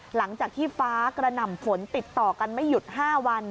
หลังจากที่ฟ้ากระหน่ำฝนติดต่อกันไม่หยุด๕วัน